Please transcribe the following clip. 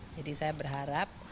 jadi saya berharap